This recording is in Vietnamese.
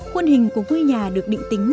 khuôn hình của vui nhà được định tính